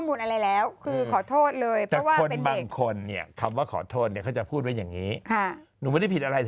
บางคนคำว่าขอโทษเขาจะพูดไว้อย่างนี้